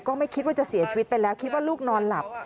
ก็ไม่คิดว่าจะเสียชีวิตไปแล้วคิดว่าลูกนอนหลับ